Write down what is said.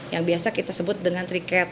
yang biasa kita sebut dengan triket